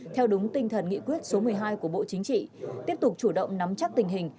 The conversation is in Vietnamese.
theo đúng tinh thần nghị quyết số một mươi hai của bộ chính trị tiếp tục chủ động nắm chắc tình hình